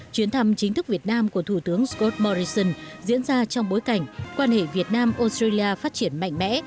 chuyến thăm chính thức việt nam của thủ tướng scott morrison diễn ra trong bối cảnh quan hệ việt nam australia phát triển mạnh mẽ